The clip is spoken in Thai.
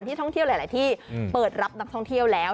ท่องเที่ยวหลายที่เปิดรับนักท่องเที่ยวแล้ว